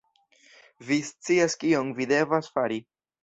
vi scias kion vi devas fari